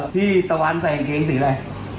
พี่ตะวันใส่ก๊เอกซีอะไร